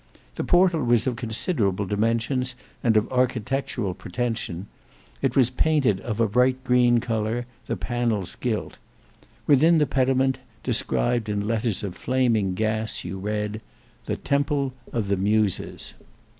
The portal was of considerable dimensions and of architectural pretension; it was painted of a bright green colour, the panels gilt. Within the pediment, described in letters of flaming gas, you read, "THE TEMPLE OF THE MUSES."